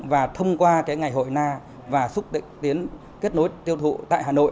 và thông qua ngày hội na và xúc tiến kết nối tiêu thụ tại hà nội